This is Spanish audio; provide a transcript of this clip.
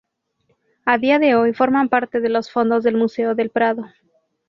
A día de hoy, forman parte de los fondos del Museo del Prado.